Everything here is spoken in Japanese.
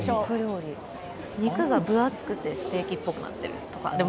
肉が分厚くてステーキっぽくなってるとか。